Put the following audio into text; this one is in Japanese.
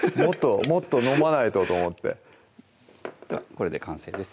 もっと飲まないとと思ってこれで完成です